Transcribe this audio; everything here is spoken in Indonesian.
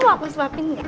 kamu mau aku sebabin gak